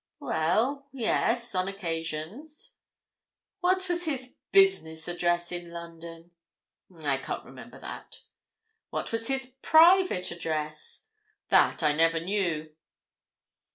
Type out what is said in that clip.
"Well, yes—on occasions." "What was his business address in London?" "I can't remember that." "What was his private address?" "That I never knew."